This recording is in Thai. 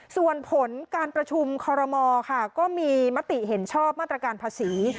ส่วนผลการประชุมคอรมอค่ะก็มีมติเห็นชอบมาตรการภาษี